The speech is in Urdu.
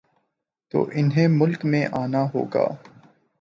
تو انہیں ملک میں آنا ہو گا۔